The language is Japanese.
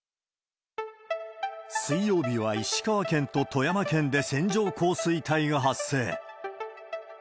水曜日は石川県と富山県で線状降水帯が発生。